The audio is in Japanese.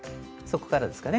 ここからですね。